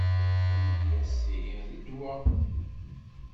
Tamedyezt ihi d ddwa.